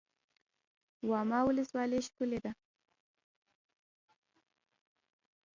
واما ولسوالۍ ښکلې ده؟